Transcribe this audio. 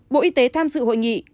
bộ y tế tham dự hội nghị